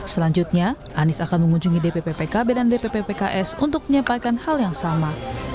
selanjutnya anies akan mengunjungi dpppkb dan dpppks untuk menyampaikan hal yang sama